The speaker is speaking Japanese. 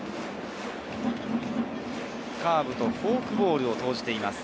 カーブとフォークボールを投じています。